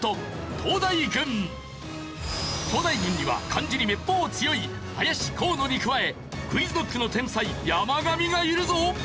東大軍には漢字にめっぽう強い林河野に加えクイズノックの天才山上がいるぞ！